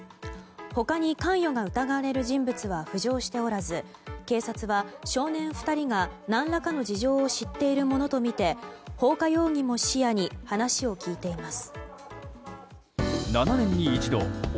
他に関与が疑われる人物は浮上しておらず警察は少年２人が何らかの事情を知っているものとみて放火容疑も視野に話を聞いています。